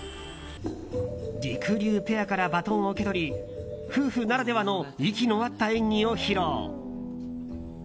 りくりゅうペアからバトンを受け取り夫婦ならではの息の合った演技を披露。